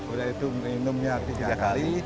udah itu minumnya tiga kali